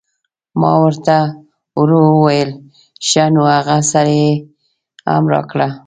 ما ور ته ورو وویل: ښه نو هغه سر یې هم راکړه.